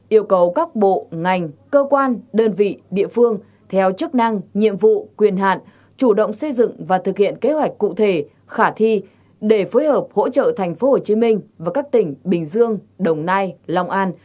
sáu yêu cầu các bộ ngành cơ quan đơn vị địa phương theo chức năng nhiệm vụ quyền hạn chủ động xây dựng và thực hiện kế hoạch cụ thể khả thi để phối hợp hỗ trợ thành phố hồ chí minh và các tỉnh bình dương đồng nai long an